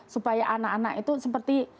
supaya anak anak itu seperti